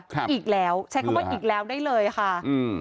อีกแล้วใช้คำว่าอีกแล้วได้เลยค่ะอืม